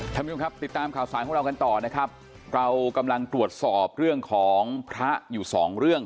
ท่านผู้ชมครับติดตามข่าวสารของเรากันต่อนะครับเรากำลังตรวจสอบเรื่องของพระอยู่สองเรื่อง